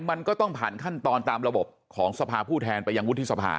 มันก็ต้องผ่านขั้นตอนตามระบบของสภาผู้แทนไปยังวุฒิสภา